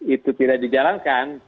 itu tidak dijalankan